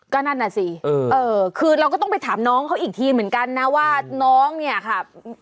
ก็นั่นน่ะสิคือเราก็ต้องไปถามน้องเขาอีกทีเหมือนกันนะว่าน้องเนี่ยค่ะ